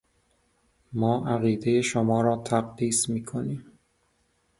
ما عقیدهُ شما را تقدیس میکنیم.